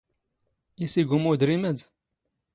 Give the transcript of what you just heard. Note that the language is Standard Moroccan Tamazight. ⵉⵙ ⵉⴳⵓⵎ ⵓⴷⵔⵉⵎ ⴰⴷ?